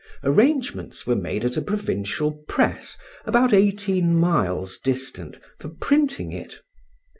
Arrangements were made at a provincial press, about eighteen miles distant, for printing it.